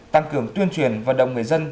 tăng cường tuyên truyền vận động người dân